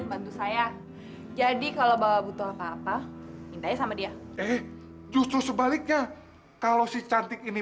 bantu saya jadi kalau bawa butuh apa apa mintanya sama dia justru sebaliknya kalau si cantik ini